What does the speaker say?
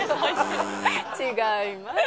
違います。